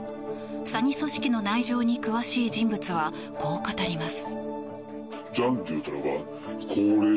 詐欺組織の内情に詳しい人物はこう語ります。